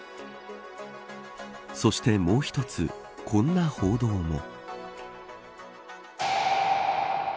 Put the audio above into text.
そしてもう１つ、こんな報道も。